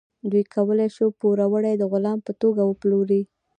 دوی کولی شول پوروړی د غلام په توګه وپلوري.